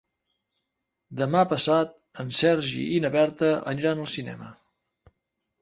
Demà passat en Sergi i na Berta aniran al cinema.